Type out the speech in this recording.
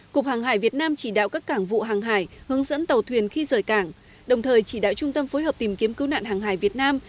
cục hàng hải việt nam chỉ đạo các cảng vụ hàng hải hướng dẫn tàu thuyền khi rời cảng đồng thời chỉ đạo trung tâm phối hợp tìm kiếm cứu nạn hàng hải việt nam